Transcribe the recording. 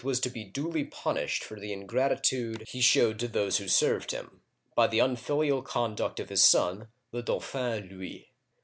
was to be duly punished for the ingratitude he showed to those who served him, by the unfilial conduct of his son, the Dauphin Louis.